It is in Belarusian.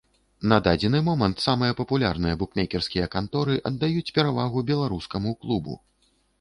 На дадзены момант самыя папулярныя букмекерскія канторы аддаюць перавагу беларускаму клубу.